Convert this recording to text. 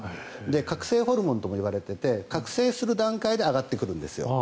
覚醒ホルモンともいわれていて覚醒する段階で上がってくるんですよ。